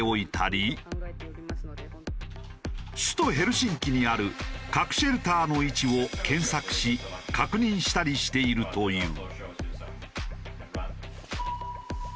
首都ヘルシンキにある核シェルターの位置を検索し確認したりしているという。